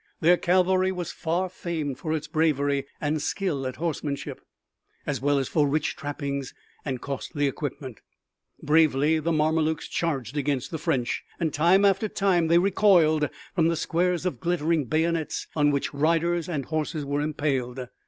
Their cavalry was far famed for its bravery and skill at horsemanship, as well as for rich trappings and costly equipment. Bravely the Mamelukes charged against the French, and time after time they recoiled from the squares of glittering bayonets on which riders and horses were impaled.